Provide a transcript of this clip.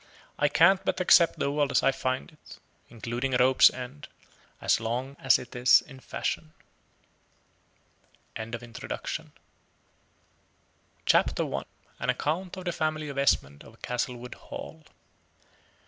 I can't but accept the world as I find it, including a rope's end, as long as it is in fashion. CHAPTER I. AN ACCOUNT OF THE FAMILY OF ESMOND OF CASTLEWOOD HALL.